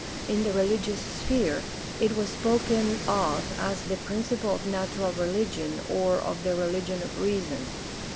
In the religious sphere it was spoken of as the principle of "natural religion" or of the "religion of reason."